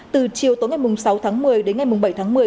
từ chiều tối ngày sáu tháng một mươi đến ngày bảy tháng một mươi